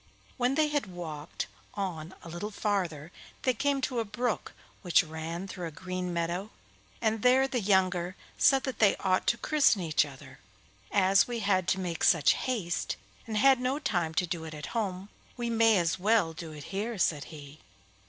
When they had walked on a little farther they came to a brook which ran through a green meadow, and there the younger said that they ought to christen each other. 'As we had to make such haste, and had no time to do it at home, we may as well do it here,' said he.